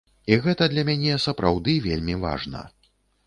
І гэта для мяне сапраўды вельмі важна.